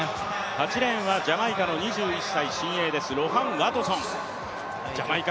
８レーンはジャマイカの２１歳の新鋭ですロハン・ワトソン。